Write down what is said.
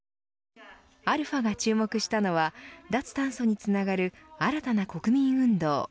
αが注目したのは脱炭素につながる新たな国民運動。